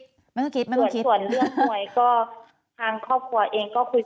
ส่วนเรื่องมวยก็ทางครอบครัวเองก็คุยกันอยู่